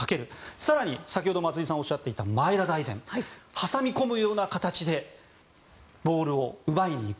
更に、先ほど松井さんおっしゃっていた前田大然。挟み込むような形でボールを奪いに行く。